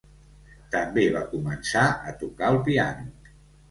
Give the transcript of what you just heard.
També va començar a tocar el piano.